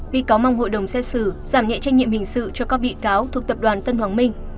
bị cáo mong hội đồng xét xử giảm nhẹ trách nhiệm hình sự cho các bị cáo thuộc tập đoàn tân hoàng minh